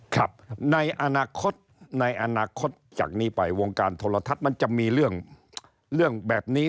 ครับในอนาคตจากนี้ไปวงการโทรทัศน์มันจะมีเรื่องแบบนี้